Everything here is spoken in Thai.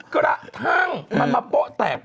ก็แหละทั้งมันมาปะแตก